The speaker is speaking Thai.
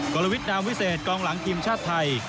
กรวิทนามวิเศษกองหลังทีมชาติไทย